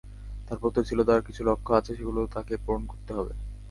তাঁর প্রত্যয় ছিল, তাঁর কিছু লক্ষ্য আছে, সেগুলো তাঁকে পূরণ করতে হবে।